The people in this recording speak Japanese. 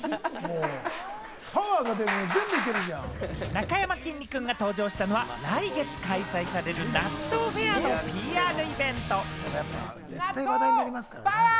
なかやまきんに君が登場したのは、来月開催される納豆フェアのＰＲイベント。